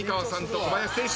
小林選手